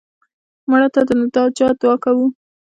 مړه ته د نجات دعا کوو